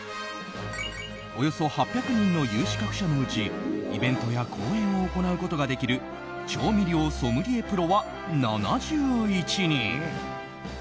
およそ８００人の有資格者のうちイベントや講演を行うことができる調味料ソムリエプロは７１人。